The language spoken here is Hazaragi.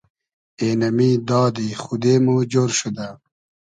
اېنئمی دادی خودې مو جۉر شودۂ